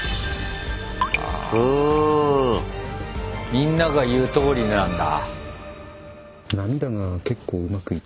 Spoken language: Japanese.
みんなが言うとおりなんだ。